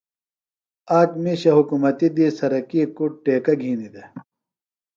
آک مِیشہ حُکمتیۡ دی سرکی کُڈ ٹیکہ گِھینیۡ دےۡ۔